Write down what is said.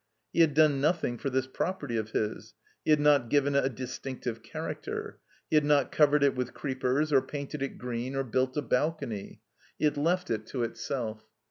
He had done nothing for this property of his. He had not given it a distinctive diaracter; he had not covered it with creepers or painted it green or built a bal cony. He had left it to itself.